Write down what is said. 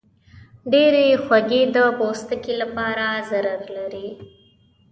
ډېرې خوږې د پوستکي لپاره ضرر لري.